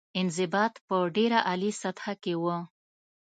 انضباط په ډېره عالي سطح کې وه.